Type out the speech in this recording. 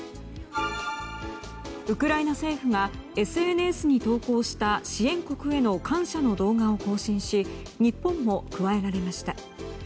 ウクライナ政府がＳＮＳに投稿した支援国への感謝の動画を更新し日本も加えられました。